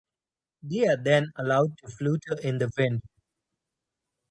They are then allowed to flutter in the wind.